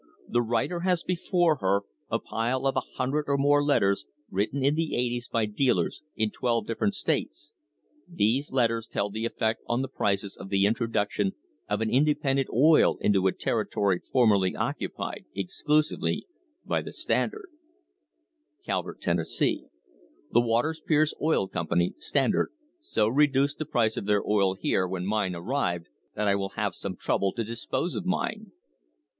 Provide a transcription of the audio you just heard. The writer has before her a pile of a hundred or more letters written in the eighties by dealers in twelve different states. These letters tell the effect on the prices of the introduction of an inde pendent oil into a territory formerly occupied exclusively by the Standard: Calvert, Tenn. The Waters Pierce Oil Company (Standard) so reduced the price of their oil here when mine arrived that I will have some trouble to dispose of mine.